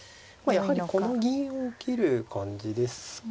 やはりこの銀を受ける感じですかね。